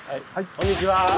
こんにちは！